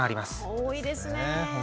多いですねえ。